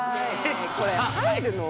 これ入るの？